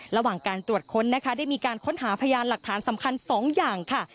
ระหว่างการตรวจค้นนะคะได้มีการค้นหาพยานหลักฐานสำคัญ๒อย่างค่ะ